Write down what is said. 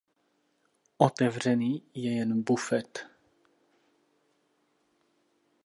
Otevřený je jen bufet.